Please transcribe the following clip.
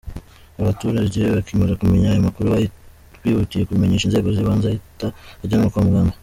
Abaturage bakimara kumenya aya makuru bihutiye kubimenyesha inzego z’ibanze ahita ajyanwa kwa muganga.